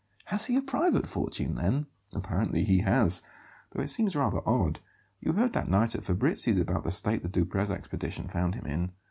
"Has he a private fortune, then?" "Apparently he has; though it seems rather odd you heard that night at Fabrizi's about the state the Duprez expedition found him in.